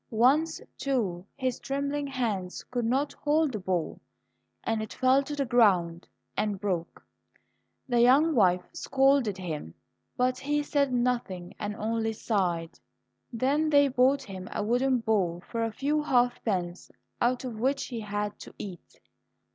Once, too, his trembling hands could not hold the bowl, and it fell to the ground and broke. The young wife scolded him, but he said nothing and only sighed. Then they bought him a wooden bowl for a few half pence, out of which he had to eat.